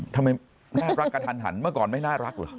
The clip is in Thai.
ทำไมน่ารักกระทันหันเมื่อก่อนไม่น่ารักเหรอ